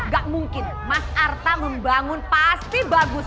gak mungkin mas arta membangun pasti bagus